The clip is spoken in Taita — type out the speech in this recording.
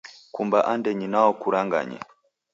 Kumba andenyi nwao kuranganye.